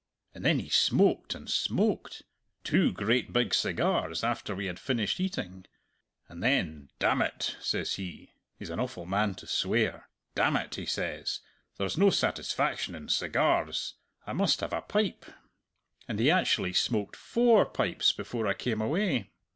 And then he smoked and smoked two great big cigars after we had finished eating, and then 'Damn it,' says he he's an awful man to swear 'damn it,' he says, 'there's no satisfaction in cigars; I must have a pipe,' and he actually smoked four pipes before I came away!